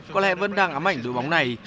có lẽ vẫn đang ám ảnh đội bóng này